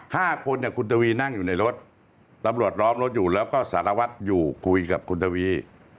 ห้าคนเนี่ยคุณทวีนั่งอยู่ในรถตำรวจล้อมรถอยู่แล้วก็สารวัตรอยู่คุยกับคุณทวี